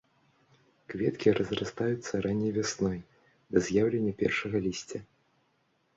Кветкі разрастаюцца ранняй вясной да з'яўлення першага лісця.